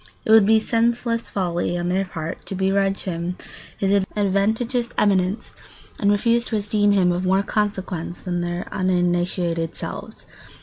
It would be senseless folly on their part to begrudge him his adventitious eminence and refuse to esteem him of more consequence than their uninitiated selves.